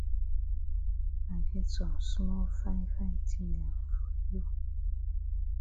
I get some small fine fine tin dem for you.